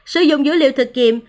sử dụng dữ liệu thực kiệm